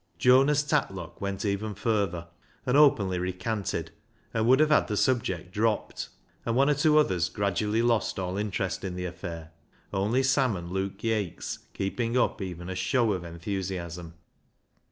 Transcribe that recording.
Jonas Tatlock went even further, and openly recanted, and would have had the subject dropped ; and one or two others gradually lost all interest in the affair, only Sam and Luke Yates keeping up even a show of enthusiasm.